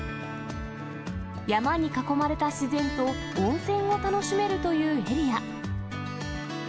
山に囲まれた自然と、温泉を楽しめるというエリア。